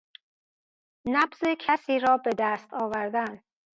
نبض کسیرا بدست آوردن